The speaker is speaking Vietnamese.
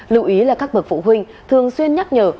lưu ý là các bậc phụ huynh thường xuyên nhắc nhở